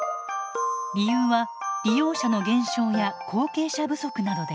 理由は利用者の減少や後継者不足などです。